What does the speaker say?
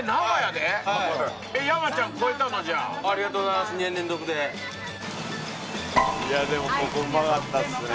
いやでもここうまかったっすね。